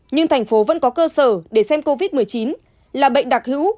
nhưng tp hcm vẫn có cơ sở để xem covid một mươi chín là bệnh đặc hữu